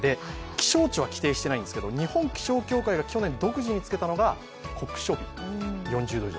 気象庁は規定していないんですけど日本気象協会が去年独自につけたのが、酷暑日、４０度以上。